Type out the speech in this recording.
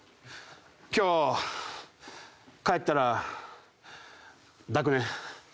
今日帰ったら抱くね。